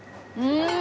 うん！